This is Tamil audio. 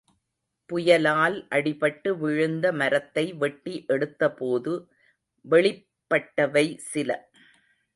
புயலால் அடிபட்டு விழுந்த மரத்தை வெட்டி எடுத்தபோது வெளிப்பட்டவை சில.